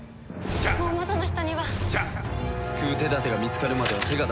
もう元の人には。救う手立てが見つかるまでは手が出せないな。